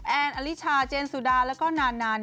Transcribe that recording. แอนอลิชาเจนสุดาแล้วก็นานา